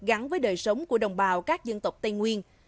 gắn với đời sống của đồng bào các dân tộc tây nguyên